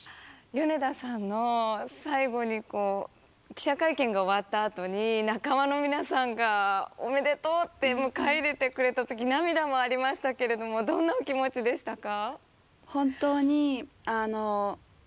米田さんの最後にこう記者会見が終わったあとに仲間の皆さんがおめでとうって迎え入れてくれた時涙もありましたけれどもどんなお気持ちでしたか？